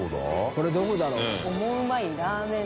これどこだろう？